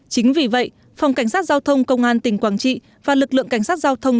chính vì vậy phòng cảnh sát giao thông công an tỉnh quảng trị và lực lượng cảnh sát giao thông